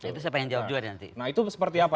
itu saya pengen jawab juga nanti nah itu seperti apa